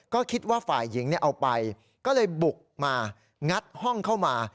ก็คิดว่าฝ่ายหญิงเอาไปก็เลยบุกมางัดห้องเข้ามา